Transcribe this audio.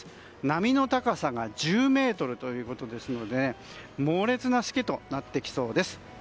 波の高さが１０ｍということですので猛烈なしけとなってきそうです。